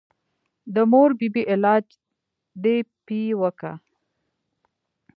د مور بي بي علاج دې پې وکه.